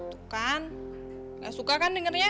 tuh kan gak suka kan dengernya